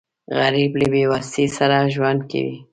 غریب له بېوسۍ سره ژوند کوي